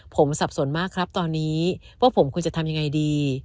ผมสับสนมากครับตอนนี้ว่าผมควรจะทำยังไงดี